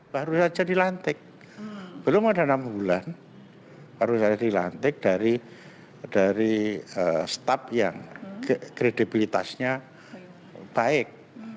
baru saja dilantik belum ada enam bulan baru saya dilantik dari staff yang kredibilitasnya baik